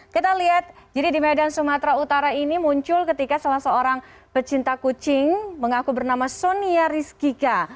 kita lihat jadi di medan sumatera utara ini muncul ketika salah seorang pecinta kucing mengaku bernama sonia rizkika